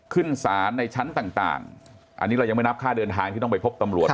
ขึ้นศาลในชั้นต่างอันนี้เรายังไม่นับค่าเดินทางที่ต้องไปพบตำรวจ